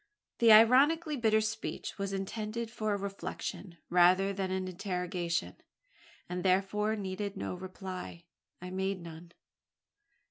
The ironically bitter speech was intended for a reflection, rather than an interrogation, and therefore needed no reply. I made none.